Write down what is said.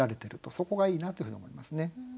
そこがいいなというふうに思いますね。